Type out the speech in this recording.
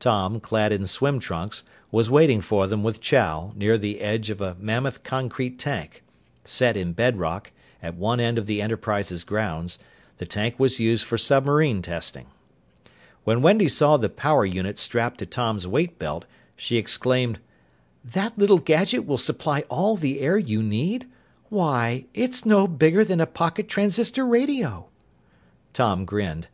Tom, clad in swim trunks, was waiting for them with Chow near the edge of a mammoth concrete tank. Set in bedrock, at one end of the Enterprises grounds, the tank was used for submarine testing. When Sandy saw the power unit strapped to Tom's weight belt, she exclaimed, "That little gadget will supply all the air you need? Why, it's no bigger than a pocket transistor radio!" Tom grinned.